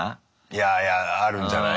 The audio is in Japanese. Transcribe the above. いやいやあるんじゃない？